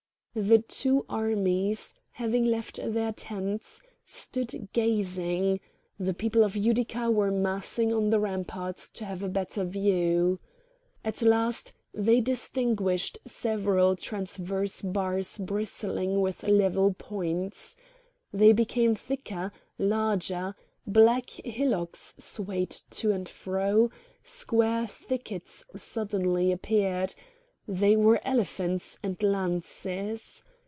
The two armies, having left their tents, stood gazing; the people of Utica were massing on the ramparts to have a better view. At last they distinguished several transverse bars bristling with level points. They became thicker, larger; black hillocks swayed to and fro; square thickets suddenly appeared; they were elephants and lances.